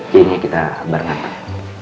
kayaknya kita barengan pak